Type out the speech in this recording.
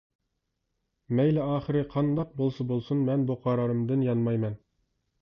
مەيلى ئاخىرى قانداق بولسا بولسۇن مەن بۇ قارارىمدىن يانمايمەن.